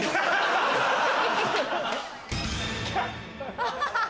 ハハハ！